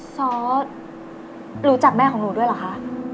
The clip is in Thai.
ซ้อรู้จักแม่ของหนูด้วยเหรอคะ